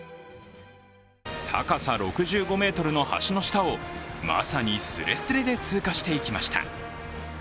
高さ６５ｍの橋の下をまさにスレスレで通過していきました。